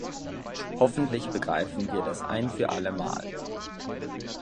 Hoffentlich begreifen wir das ein für allemal.